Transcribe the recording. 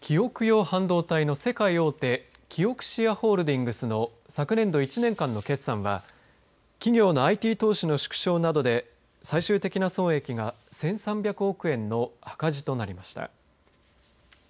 記憶用半導体の世界大手キオクシアホールディングスの昨年度１年間の決算は企業のＩＴ投資の縮小などで最終的な損益が１３００憶円の赤字となりました。